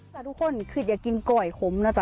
จ้ะทุกคนคืออย่ากินก้วยคมนะจ๊ะ